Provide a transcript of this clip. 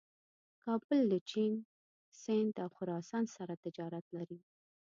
کابل له چین، سیند او خراسان سره تجارت لري.